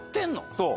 そう。